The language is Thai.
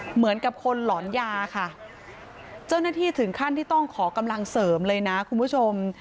เหมือนกับคนหลอนยาค่ะเจ้าหน้าที่ถึงขั้นที่ต้องขอกำลังเสริมเลยนะคุณผู้ชม